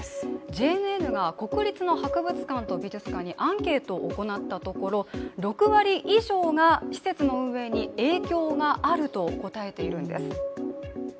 ＪＮＮが国立の博物館と美術館にアンケートを行ったところ６割以上が施設の運営に影響があると答えています。